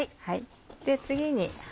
次に。